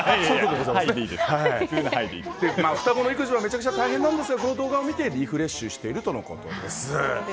双子の育児はめちゃくちゃ大変なんですがこの動画を見てリフレッシュしているとのことです。